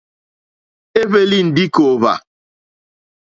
É hwélì ndí kòòhvà.